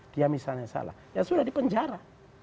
dia misalnya salah ya sudah dipenjara